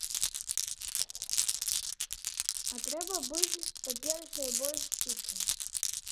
А трэба быць, па-першае, больш сціплымі.